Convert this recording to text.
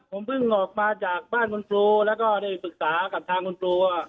ผมเพิ่งออกมาจากบ้านคุณครูแล้วก็ได้ปรึกษากับทางคุณครู